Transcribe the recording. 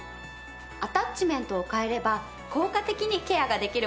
アタッチメントを換えれば効果的にケアができるわよ。